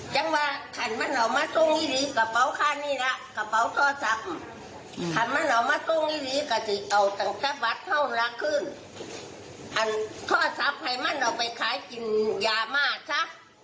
ยายสัมภัษณ์ขอบัตรเข้าละครึ่งท่อทัพให้มันเอาไปขายกินยามากซะ